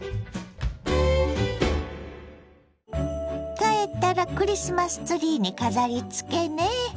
帰ったらクリスマスツリーに飾りつけね。